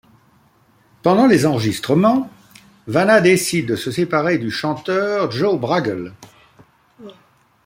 Pendant les enregistrements, Vanna décide de se séparer du chanteur Joe Bragel.